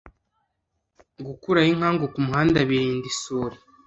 gukuraho inkangu ku muhanda birinda isuri.